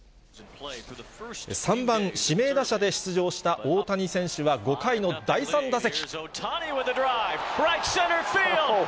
３番指名打者で出場した大谷選手は、５回の第３打席。